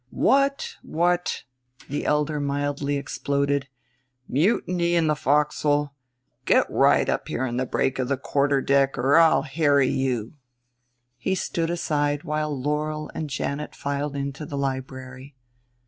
"What, what," the elder mildly exploded; "mutiny in the forecastle! Get right up here in the break of the quarter deck or I'll harry you." He stood aside while Laurel and Janet filed into the library.